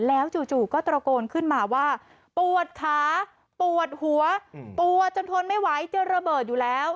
แล้วจู่ก็ตระโกนขึ้นมาว่าปวดขาปวดหัวปวดจนทนไม่ไหวเจอระเบิดอยู่แล้ว